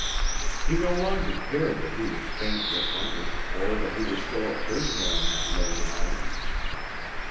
He no longer cared that he was faint with hunger, or that he was still a prisoner on that lone island.